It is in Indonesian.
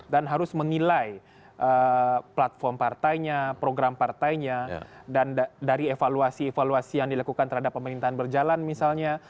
dan harus menilai platform partainya program partainya dan dari evaluasi evaluasi yang dilakukan terhadap pemerintahan berjalan misalnya